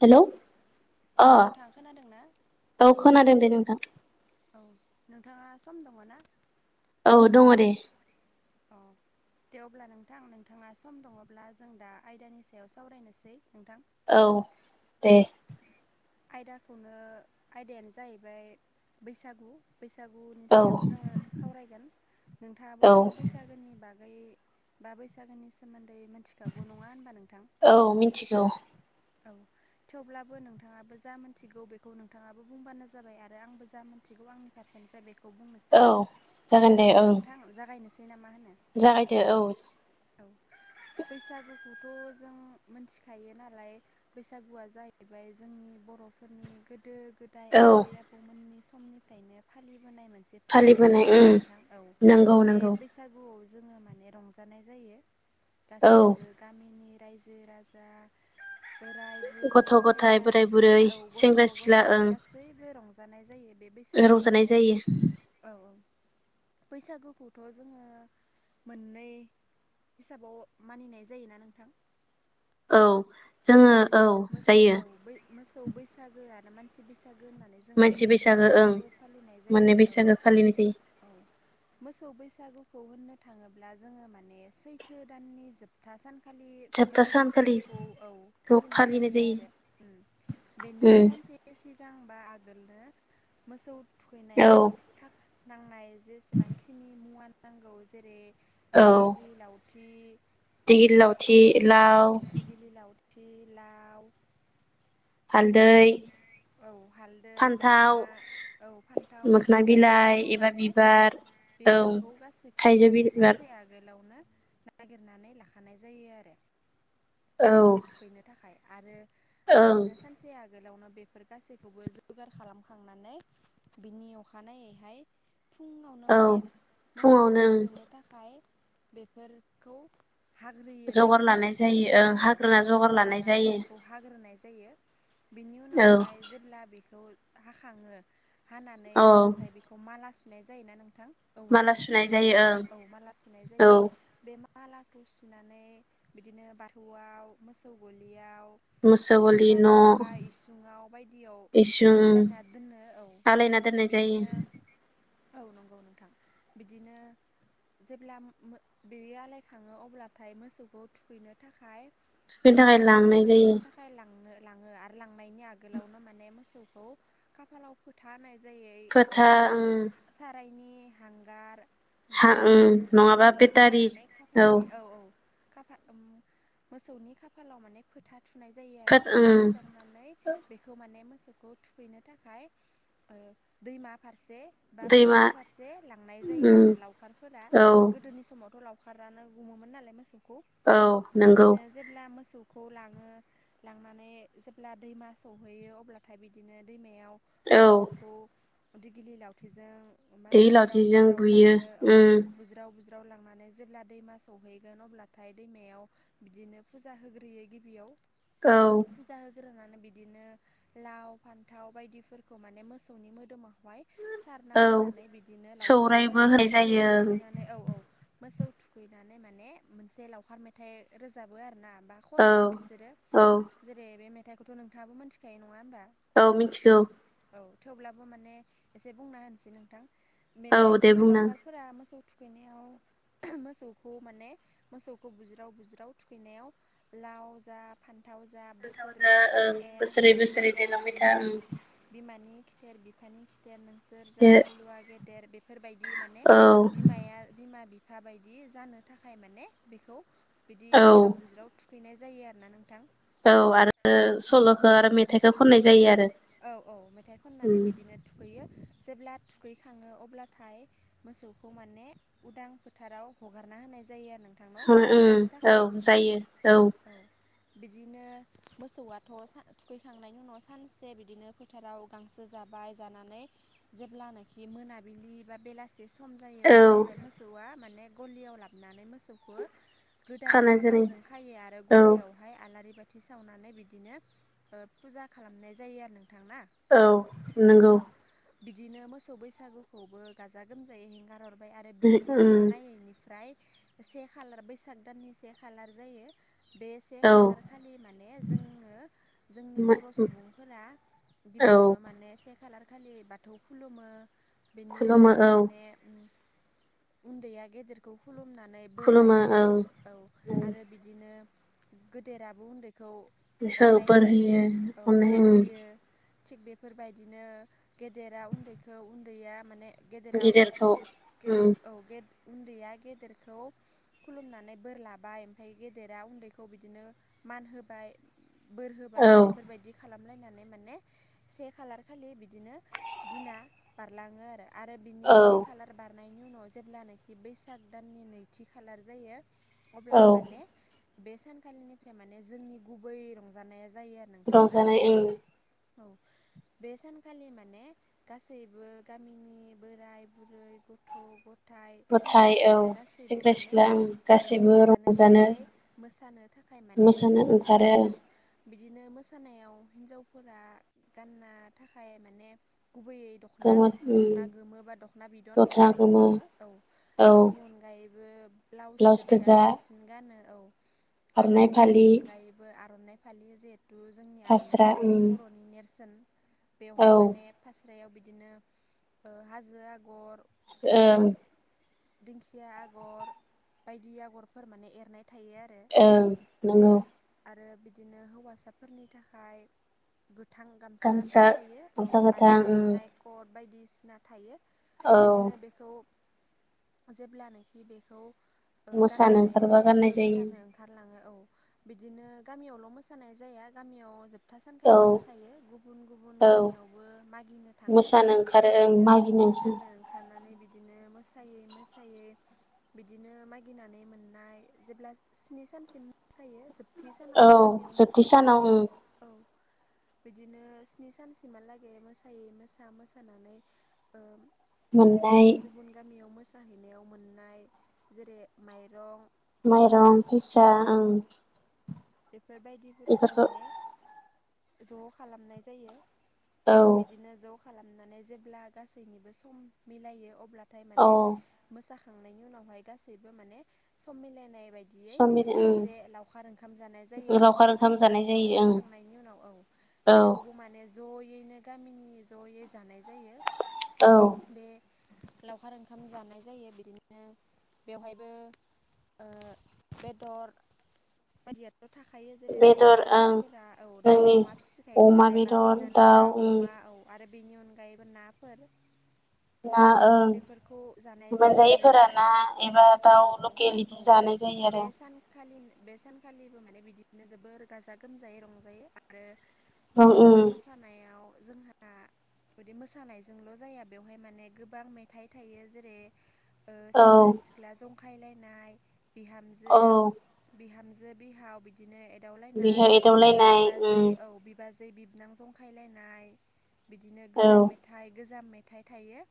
Hello हेल' औ नोंथां खोनादोंना औ खोनादों दे नोंथां औ नोंथाङा सम दङना औ दङ दे औ दे अब्ला नोंथां नोंथाङा सम दङब्ला जों दा आयदानि सायाव सावरायनोसै नोंथां औ दे आयदाखौनो आयदायानो जाहैबाय बैसागु बैसागुनि औ सायाव जोङो सावरायगोन औ नोंथाङाबोथ' बैसागोनि बागै बा बैसागोनि सोमोन्दै मिथिखागौ नङा होनबा नोंथां औ मिथिगौ औ थेवब्लाबो नोंथाङाबो जा मिथिगौ बेखौ नोंथाङाबो बुंबानो जाबाय आरो आंबो जा मिथिगौ आंनि फारसेनिफ्राय बेखौ औ बुंनोसै जागोन दे अब्ला ओं नोंथां जागायनोसै ना मा होनो जागायदो औ औ बैसागुखौथ' जों मोन्थिखायो नालाय बैसागुआ जाहैबाय जोंनि बर'फोरनि गोदो गोदाय औ आबै आबौमोननि समनिफ्रायनो फालिबोनाय मोनसे फोरबो नङा फालिबोनाय होनबा उम नोंथां औ नंगौ बे नंगौ बैसागुआव जोङो माने रंजानाय जायो औ गासैबो गामिनि रायजो राजाफोरा बुरै गथ' गथाय सेंग्रा बोराय सिख्ला बुरै औ गथ' सेंग्रा सिख्ला गथाय ओं गासैबो रंजानाय जायो बे बैसागु रंजानाय जायो। औ औ बैसागुखौथ' जोङो मोननै हिसाबाव मानिनाय जायोना नोंथां? औ जोङो औ जायो औ मोसौ बैसागोआनो मानसि बैसा गो होननानै जोङो मानसि माने मोननै ओं बैसागो फालिनाय मोननै जायो औ। बैसागो फालिनाय जायो औ मोसौ बैसागु खौ होननो थाङोब्ला जोङो माने सैथो दाननि जोबथा सान खालि जोबथा मोसौ बैसागोखौ सानखालिखौ औ फालिनाय जायो बेनि उम सानसे सिगां बा आगोलनो मोसौ औ थुखैनायाव नांनाय जेसेबांखिनि मुवा नांगौ जेरै दिगिलि लावथि दिगिल लावथि लाव थि लाव हालदै औ हालदै फान्थाव मोखना औ फान्थाव मोखोना बेफोर बिलाइ गासैखौबो एबा माने बिबार औ बेफोरखौ गासैखौबो थाइजौ माने बिबार सानसे आगोलावनो नागिरनानै लाखानाय जायो आरो औ मोसौ थुखैनो थाखाय आरो ओं बिदिनो सानसे आगोलावनो बे बेफोर गासैखौबो जगार खालामखांनानै बिनि अखानायैहाय फुङावनो औ माने मोसौखौ फुङावनो ओं थुखैनो थाखाय बेफोरखौ हाग्रोयो ना जगार गिबियाव लानाय नोंथां? जायो औ ओं औ हाग्रोना जगार लानाय लानानै जायो बेखौ हाग्रोनाय जायो बिनि औ बेहाय जेब्ला बेखौ हाखाङो हानानै औ अब्लाथाय बेखौ माला सु सुनाय जायोना नोंथां? माला औवानि सुनाय जायो औवायाव ओं औ माला सुनाय औ जायो बे मा मालाखौ सुनानै बिदिनो बाथौआव मोसौ गलियाव मुसौ गलि थाग्रा न' बा इसुङाव बायदियाव इसिं आलायना दोननो औ आलायना दोननाय जायो बिदिनो औ औ नोंथां बिदिनो जेब्ला मो बे आलाय खाङो अब्लाथाय मोसौखौ थुखैनो थाखाय थुखैनो माने थाखाय लांनाय मोसौखौ जायो थुखैनो थाखाय लांनो लाङो आरो लांनायनि आ गोलावनो माने मोसौखौ खाफालाव फोथा होनाय फोथा उम। नि हांगारजों ओं थाव गुबैजों नङाबा बेटारि लगायनानै खाफालनि औ औ खाफा उम मोसौनि खाफालाव माने फोथा थुनाय जायो आरो फोथ फोथा ओं थुखांनानै बेखौ माने मोसौखौ थुखैनो थाखाय ओ दैमा फार से बा दैमा फुख्रि फारसे लांनाय जायो ओम आरो लावखार फोरा औ गोदोनि समावथ' लाव खारानो गुमोमोन नालाय मोसौखौ औ नंगौ बिदिनो जेब्ला मोसौ खौ लाङो लांनानै जेब्ला दैमा सौहैयो अब्लाथाय बिदिनो दैमायाव औ मोसौखौ दिगिलि लावथिजों मान दै बुज्राव लावथिजों बुज्राव बुयो लाङो औ उम बुज्राव बुज्रा ज्राव लांनानै जेब्ला दैमा सौहैगोन अब्लाथाय दैमायाव बिदिनो फुजा होग्रोयो गिबियाव औ फुजा होग्रोनानै बिदिनो लाव फान्थाव बायदिफोरखौ माने मोसौनि मोदोमाव बाय सारना औ होनानै बिदिनो सौरायबो लावखारफोरा होनाय मोसौ जायो थुखैनानै औ औ मोसौ थुखैनानै माने मोनसे लावखार मेथाइ रोजाबो आरोना बा खनो औ बिसोरो औ जेरै बे मेथाइखौथ' नोंथाङाबो मोनथिखायो नङा होमबा? औ मिनथिगौ। औ थेवब्लाबो माने एसे बुंना होनोसै नोंथां औ मेथाइ दे बुंनां लावखारफोरा मोसौ थुगैनायाव मोसौखौ माने मोसौखौ बुज्राव बुज्राव थुखैनायाव लाव जा फान थाव जा बोसोर बोसोर एर औ बोसोरे बोसोरे हानजा देरलांबाय था हानजा उम। बिमानि खिथेर बिफानि गेदेर नोंसोर जा खिथो हालुवा गेदेर बेफोर बायदि माने बिमाया बिमा बि बिफा बायदि जानो थाखाय माने बेखौ बिदि औ बुज्राव बुज्राव थु थुखैनाय जायो आरोना नोंथां। औ आरो सल'खौ आरो मेथाइखौ खननाय जायो आरो। औ औ मेथाइ खननानै उम बिदिनो थुखैयो। जेब्ला थुगैखाङो अब्लाथाय मोसौखौ माने उदां फोथाराव हगारना होनाय जायो आरो। नोंथांनाव गांसो जानो औ थाखाय जायो औ। बिदिनो मोसौआथ' सा थुखैखांनायनि उनाव सानसे बिद बिदिनो फोथाराव गांसो जाबाय जानानै जेब्लानाखि मोनाबिलि बा बेलासि सम जायो औ अब्लाथाय मोसौआ माने गलियाव लाबोनानै मोसौखौ गोदान खानाय जेरै फागाजों खायो आरो औ गलियावहाय आलारि बाथि बाथि सावनानै बिदिनो फुजा खालामनाय जायो आरो ना। नोंथां औ नंगौ। औ बिदिनो मोसौ बैसागुखौबो गाजा गोमजायै हिगार हरो। ओफ्राय आरो बिनि उम अखानायैनिफ्राय से खालार बैसाग दाननि से खालार जायो। बे से खालार खालि माने जोङो जोंनि औ बर' सुबुंफोरा औ गिबियावनो माने से खालार खालि बाथौ खुलुमो। बेनि खुलुमो उनावहाय औ माने उन्दैया गेदेरखौ खुलुमनानै बोर खुलुमो लायो औ औ आरो बिदिनो गेदेराबो उन्दै बिसौ अन्नाय बोर होयो औ अननाय बोर उम होयो। थिग बेफोर बायदिनो गेदेरा उन्दैखौ उन्दैया माने गेदेरा गिदिरखौ उम गेदेर। उन्दैया गेदेरखौ खुलुमनानै बोर लाबाय ओमफ्राय गेदेरा उन्दैखौ बिदिनो मान होबाय बोर औ होबाय बेफोर बायदि खालामलायनानै माने से खालार खालि बिदिनो दिना बारलाङो आरो। आरो बिनि औ से खालार बारनायनि उनाव जेब्लानाखि बैसाग दाननि नैथि खालार जायो। औ अब्ला माने बे सानखालिनिफ्राय माने जोंनि गुबै रंजानाया जायो आरो नोंथां ना रंजानाय ओंऋ औ। बे सानखालि माने गासैबो गामिनि बोराय बुरै गथ' गथाय सेंग्रा गथाय औ सिख्ला गासैबो सेंग्रा माने सिख्ला उम गासैबो रंजानो थाखाय मोसानो थाखाय थाखाय माने मोसानो ओंखारलाङो ओंखारो आरो औ। बिदिनो मोसानायाव हिन्जावफोरा गाननो थाखाय माने गुबैयै दख'ना गोमो उम दख'ना गोमोबा दख'ना बिदन गस्ला जायखौ गोमो बुङो औ औ बेनि अनगायै ब्लाउस गोजा बांसिन गानो। औ आरो आर'नाइ बेनि फालि अनगायैबो आर'नाइ फालि जिहेथु जोंनि आर'नाइ फास्रा फालि। उम खौ बर'नि नेरसोन औ बेवहाय माने फास्रायाव बिदिनो हाजो आगर। [inaudible] दिंखिया आगर बायदि आगरफोर माने एरनाय थायो आरो ओ नंगौ। आरो बिदिनो हौवासाफोरनि थाखाय। गोथां गामसा थायो औ गामसा आरो गोथां उम आर'नाइ कद बायदिसिना थायो। औ बिदिनो बेखौ जेब्लानोखि बेखौ। मोसानो गाननानै ओंखारबा बैसागो गाननाय जायो मोसानो ओंखारलाङो औ बिदिनो गामियावल मोसानाय जाया गामियाव जोबथा सान औ खालि मोसायो गुबुन गुबुन औ गामियावबो मागिनो थाङो मोसानो ओंखारो ओं बिदिनो औ मागिनो ओंखारो मोसानो‌। मानो ओंखारनानै बिदिनो मोसायै मोसायै बिदिनो मागिनानै मोननाय जेब्ला स्नि सानसिम मोसायो जोब‌ थि सानाव औ गामियाव जोबथि मोसानाय सानाव जायो ओं औ। बिदिनो स्नि सानसिमहालागै मोसायै मोसा मोसानानै। मोननाय गुबुन गुबुन गामियाव मोसाहैनायाव मोननाय जेरै माइरं। फैसा माइरं फैसा औ औ ओं। बेफोरबायदिफोरखौ बेफोरखौ माने ज खालामनाय जायो। औ बिदिनो ज खालामनानै जेब्ला गासैनिबो सम मिलायो अब्ला। नाथाय औ माने मोसाखांनायनि उनावहाय गासैबो माने सम मिलायनाय। बेबायदियै समनि मोनसे ओं लावखार ओंखाम जानाय जायो आरो लावखार नोंथां ओंखाम जानाय जायो ओं रंजाखांनायनि उनाव। औ औ बेखौबो माने जयैनो गामिनि जयै जानाय। जायो औ बे लावखार ओंखाम जानाय जायो बिदिनो बेवहायबो। ओ बेदर मजिया थाखायो जेरै जोंनि बेदर ओं बरफोरा औ। दाउ जोंनि अमा फिसि गायो अमा नालाय बेदर बांसिनानो दाउ ओं अमा औ आरो बेनि अनगायैबो नाफोर ना ओं बेफोरखौ जानाय जायो आरो मोनजायैफोरा ना बिदिनो एबा दाउ औ औ लकेल औ बिदि जानो बे सानखालिनो बे सानखालिबो माने बिदिनो जोबोर गाजा गोमजायै रंजायो आरो ओं बैसागो ओं मोसानायाव जोंहा बिदि मोसानायजोंल जाया बेवहाय माने गोबां मेथाइ थायो जेरै औ सेंग्रा सिख्ला जंखायलायनाय बिहामजो औ बिहाम थामजो बिहायाव बिदिनो बेहाय एदावलायनाय ओम जायो औ बिबाजै बिबोनां जंखायलायनाय बिदिनो गोदान औ मेथाइ गोजाम मेथाइ थायो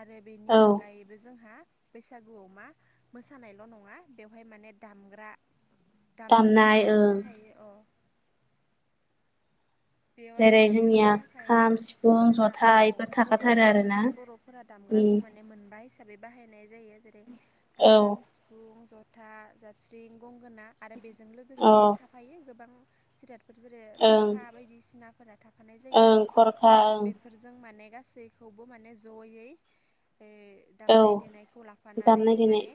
आरो बेनि औ अनगायैबो जोंहा बैसागुआव मा मोसानायल नङा बेवहाय माने दामग्रा दामनाय आगजु थायो अ बेवहाय जेरै दामनो जोंनिया थाखाय खाम सिफुं जोंना जथा औ औ इफोर थाखाथारो गुबैयै आरोना जोंनि बरफोरा दाम उम माने मोनबा हिसाबै बाहायनाय जायो जेरै औ खाम सिफुं ज फथा जाबस्रिं गंगोना आरो बेजों लोगोसे औ थाफायो गोबां सिर जेरै ओं थरखा सिनाफोरा थाब ओं खरखा ओं। माने गासैखौबो माने जयै। माने औ दामनाय देनायखौ लाफानानै दामनाय देनाय माने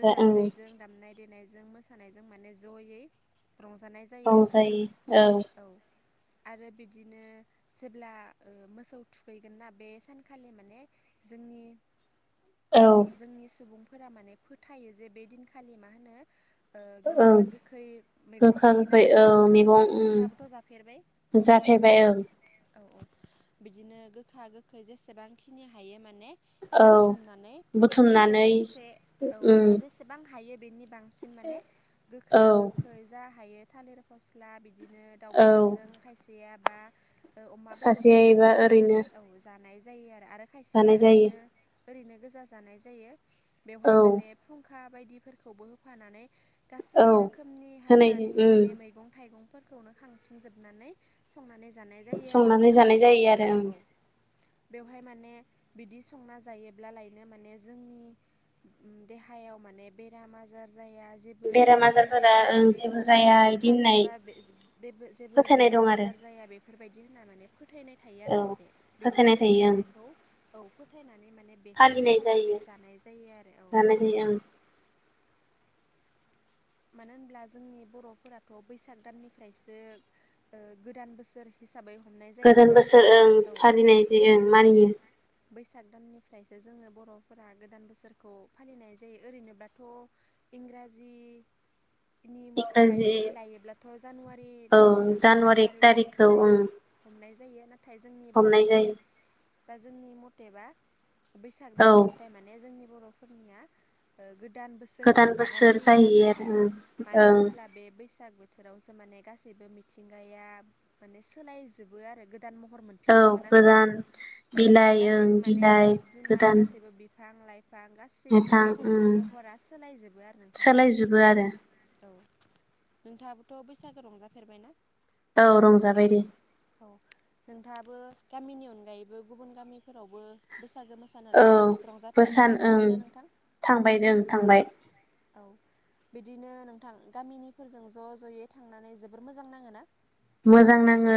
जा ओं दामनाय देनायजों मोसानायजों माने जयै रंजानाय जायो आरो नोंथां औ। आरो बिदिनो जेब्ला मोसौ थुखैगोन ना बे सानखालि माने जोंनि। औ जोंनि सुबुंफोरा माने फोथायो जे बे दिनखालि मा होनो ओ ओं गोखा गोखै मैगं गोखा जायोना गोखै नोंथां औ नोंथां मैगं उम नोंथाङाबोथ जाफेरबाय जाफेरबाय ओं औ औ बिदिनो गोखा गोखै जेसेबांखिनि हायो माने औ बुथुमनानै बुथुमनानै सेजौसे औ बा उम जेसेबां हायो बेनि बां साबसिन माने औ गोखा गोखै जा हायो थालिर फस्ला बिदिनो दाउ औ बेदरजों ग बा अमा सासेया बेदरजों एबा बिदि ओरैनो संनानै औ जानाय जायो आरो आरो खायसेया जानाय जायो ओरैनो गोजा जानाय जायो औ बेहाय मान फुंखा खा बायदिफोरखौबो होफानानै गासै औ रोखोमनि होनाय हाग्रानि जायो माने उम मैगं थाइगं फोरखौनो खांफनजोबनानै संनानै जानाय जायो आरो संनानै नोंथां जानाय जायो आरो औ ओं औ बेवहाय माने बिदि संना जायोब्लालायनो माने जोंनि देहायाव माने बेराम आजार जाया। बेराम आजारफोरा ओं फोरबायदि औ जेबो जाया इदि खार होननाय ज फोथायनाय दं आरो बेफोरबायदि होनना माने फोथायनाय थायो आरो औ मोनसे बेनि फोथायनाय थाखाय थायो माने ओं बेखौ औ फो थियनानै माने बेखौ फालिनाय संनानै जानाय जायो आरो औ उम। मानो होनब्ला जोंनि बर'फोराथ' बैसाग दाननिफ्रायसो गोदान बोसोर हिसाबै हमनाय जायो गोदान नङा होनब्ला बोसोर नोंथां ओं औ फालिनाय जायो जोंनि ओं औ मानियो बैसाग दाननिफ्राय ओमफ्रायसो जोङो बर'फोरा गोदान बोसोरखौ फालिनाय जायो ओरैनोबाथ' इंराजि नि इंराजि बायदियै लायोब्लाथ' जानुवारि औ दानखौ एक जानुवारि थारिखखौ औ ओं हमनाय जायो नाथाय जोंनि हमनाय बर'नि जायो बा जोंनि मथेबा बैसाग औ दाननिफ्राय माने जोंनि बर'फोरनिया गोद दान बोसोर आगान होयो आरो नों? औ। बैसाग बोथोरावसो माने गाससिबो मिथिंगाया माने सोलायजोबो आरो गोदान महर औ मोनफिनजोबो ना नोंथां गोदान औ बिलाइ गासैबो ओं माने बिलाइ जिब जुनार गोदान गासैबो बिफां लाइफां गासैबो बिफां माने ओं महरा सोलायजोबो आरो नोंथां बिबो आरो। औ नोंथाङाबोथ' बैसागो रंजाफेरबायना औ रंजाबाय दे गामनि अनगायैबो गुब गामि फोरालव बो मोसागो मोसानो औ रंजाफेरनो बोसान ओं थांफेरबायना नोंथां थांबाय ओं थांबाय औ। बिदिनो नोंथां गामिनिफोरजों ज' ज'यै थांनानै जोबोर मोजां नाङोना। मोजां नाङो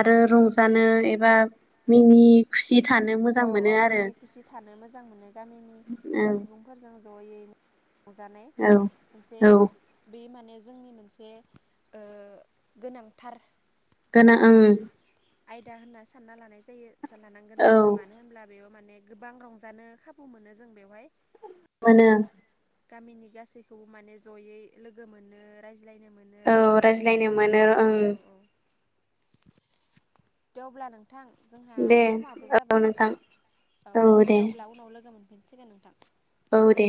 आरो रंजानो एबा मिनि खुसि थानो मोजां औ औ मोनो आरो मिनि खुसि थानो मोजां मोनो गामिनि औ सुबुंफोरजों ज'यैनो। रंजानाय औ मोनसे औ बे मान माने जोंनि मोनसे ओ गोनांथार। खोना ओम। आयदा होनना सानना लानाय जायो लानांगोन औ जोङो मानो होनब्ला बेयाव माने गोबां रंजानो खाबु मोनो जों बेवहाय मानो गामिनि गासैखौबो माने जयै लोगो मोनो र बिलायनो मोनो औ रंजानो मोनो रायज्लायनो ओं औ औ। द आब्ला नोंथां जोंहा दे समाबो औ जाबाय नोंथां औ दे अब्ला उनाव लोगो मोन फिन्सिगोन नोंथां। औ दे